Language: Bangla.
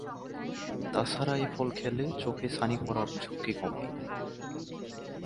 তা ছাড়া এ ফল খেলে চোখে ছানি পড়ার ঝুঁকি কমে।